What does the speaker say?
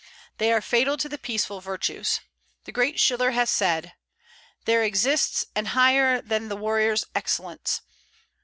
They are fatal to the peaceful virtues. The great Schiller has said: "There exists An higher than the warrior's excellence.